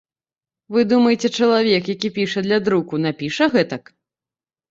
Вы думаеце, чалавек, які піша для друку, напіша гэтак?